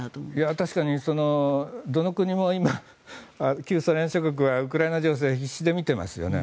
確かにどの国も今旧ソ連諸国はウクライナ情勢を必死で見ていますよね。